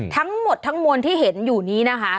ทั้งหมดทั้งมวลที่เห็นอยู่นี้นะคะ